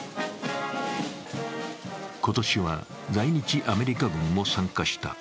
今年は在日アメリカ軍も参加した。